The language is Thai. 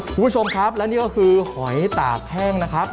คุณผู้ชมครับและนี่ก็คือหอยตากแห้งนะครับ